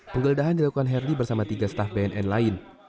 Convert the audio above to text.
penggeledahan dilakukan herli bersama tiga staf bnn lain